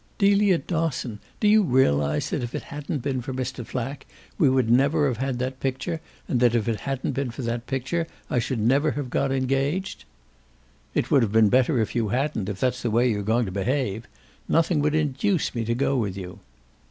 "Delia Dosson, do you realise that if it hadn't been for Mr. Flack we would never have had that picture, and that if it hadn't been for that picture I should never have got engaged?" "It would have been better if you hadn't, if that's the way you're going to behave. Nothing would induce me to go with you."